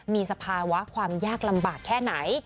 มีสภาวะความยากลำบากแค่ไหน